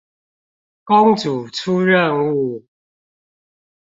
公主出任務